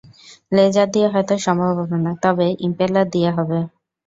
Laser দিয়ে হয়তো সম্ভব হবে না, তবে ইম্পেলার দিয়ে হবে।